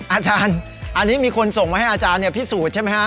อาจารย์อันนี้มีคนส่งมาให้อาจารย์พิสูจน์ใช่ไหมฮะ